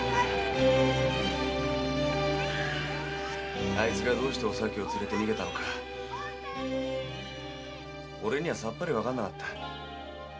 〕あいつがどうしておさきを連れて逃げたのか俺にはさっぱりわかんなかった。